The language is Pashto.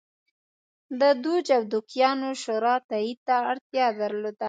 د دوج او دوکیانو شورا تایید ته اړتیا درلوده